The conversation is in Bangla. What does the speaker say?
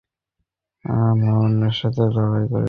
এই মুহূর্তে, আপনার মেয়ে জীবন আর মরনের সাথে লড়াই করছে।